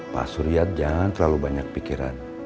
pak surya jangan terlalu banyak pikiran